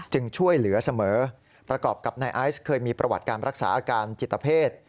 ช่วยเหลือเสมอประกอบกับนายไอซ์เคยมีประวัติการรักษาอาการจิตเพศ